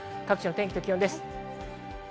各地の天気と気温です。